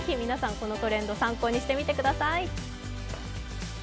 このトレンド参考にしてみてください。